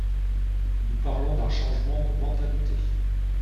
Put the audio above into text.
Nous parlons d’un changement de mentalités.